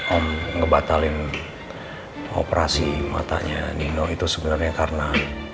om ngebatalkan operasi matanya nino itu sebenernya karena